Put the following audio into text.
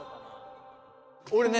俺ね